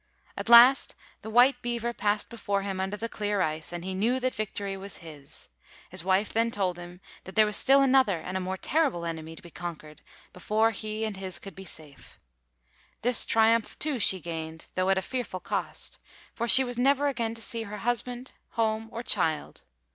At last the white beaver passed before him under the clear ice, and he knew that victory was his. His wife then told him that there was still another and a more terrible enemy to be conquered before he and his could be safe. This triumph too she gained, though at a fearful cost, for she was never again to see her husband, home, or child.